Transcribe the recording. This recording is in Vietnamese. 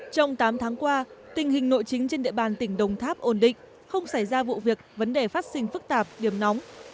trong tám tháng qua tình hình nội chính trên địa bàn tỉnh đồng tháp ổn định không xảy ra vụ việc vấn đề phát sinh phức tạp điểm nóng